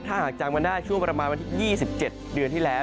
ถ้าหากจำกันได้ช่วงประมาณวันที่๒๗เดือนที่แล้ว